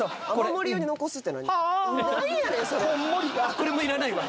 これもいらないわ。